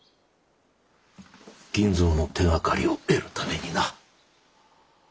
銀蔵の手がかりを得るためにな。